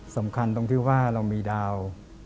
สำคัญตรงที่ว่าเรามีดาว